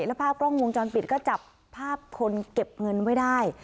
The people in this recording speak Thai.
แล้วภาพกล้องวงจรปิดก็จับภาพคนเก็บเงินไว้ได้